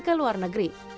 ke luar negeri